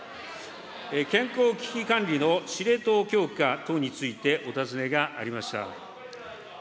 健康危機管理の司令塔強化等についてお尋ねがありました。